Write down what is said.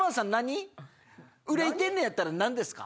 憂いてんねやったら何ですか？